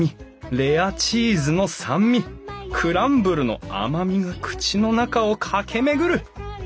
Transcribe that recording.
レアチーズの酸味クランブルの甘みが口の中を駆け巡る！